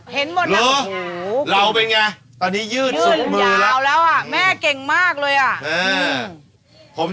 เห็นต้องชื่นให้นะเจ๊เห็นหมด